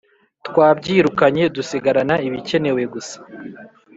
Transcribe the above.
twabyirukanye dusigarana ibikenewe gusa